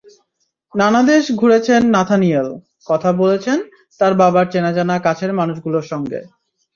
নানা দেশে ঘুরেছেন নাথানিয়েল, কথা বলেছেন তাঁর বাবার চেনাজানা কাছের মানুষগুলোর সঙ্গে।